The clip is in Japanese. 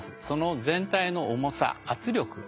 その全体の重さ圧力。